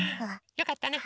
よかったね。